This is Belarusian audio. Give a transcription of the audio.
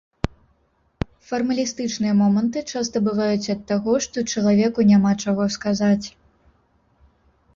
Фармалістычныя моманты часта бываюць ад таго, што чалавеку няма чаго сказаць.